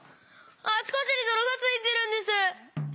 あちこちにどろがついてるんです。